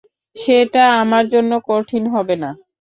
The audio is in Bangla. সেটা আমার জন্য কঠিন হবে না।